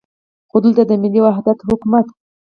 خو دلته د ملي وحدت حکومت.